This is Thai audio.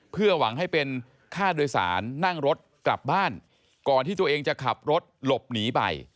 เพื่อหวังให้เป็นค่าโดยสารนั่งรถกลับบ้านก่อนที่ตัวเองจะขับรถหลบหนีไป